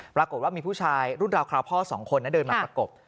ปรากฏว่ามีผู้ชายรุ่นราวคราวพ่อ๒คนเดินมาประกบ